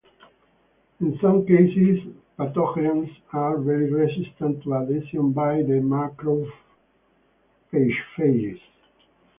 In some cases, pathogens are very resistant to adhesion by the macrophages.